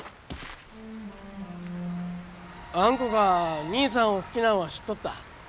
あんこが兄さんを好きなんは知っとった。